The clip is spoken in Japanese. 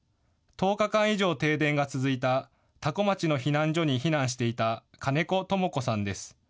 １０日間以上、停電が続いた多古町の避難所に避難していた金子知子さんです。